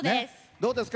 どうですか？